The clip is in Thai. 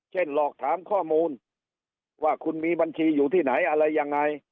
หลอกถามข้อมูลว่าคุณมีบัญชีอยู่ที่ไหนอะไรยังไง